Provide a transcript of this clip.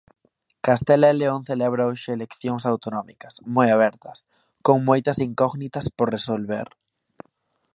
Castela e León celebra hoxe eleccións autonómicas, moi abertas, con moitas incógnitas por resolver.